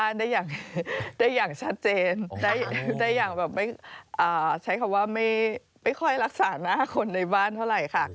ขนในบ้านได้อย่างชัดเจนใช้คำว่าไม่ค่อยรักษาหน้าขนในบ้านเท่าไหร่ค่ะ